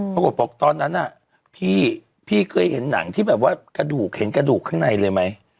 ปรากฏบอกตอนนั้นน่ะพี่พี่เคยเห็นหนังที่แบบว่ากระดูกเห็นกระดูกข้างในเลยไหม